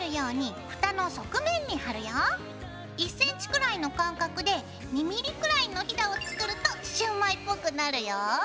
１ｃｍくらいの間隔で２ｍｍくらいのヒダを作るとシュウマイぽくなるよ。